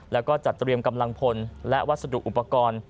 แล้วก็จัดเตรียมกำลังพลและวัสดุอุปกรณ์